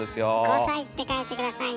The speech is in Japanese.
「５さい」って書いて下さいね。